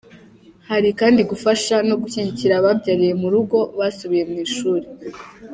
Hari kandi gufasha no gushyigikira ababyariye mu rugo basubiye mu ishuri.